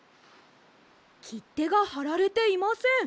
きってがはられていません。